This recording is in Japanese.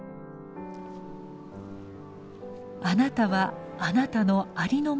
あなたはあなたのありのままでよい。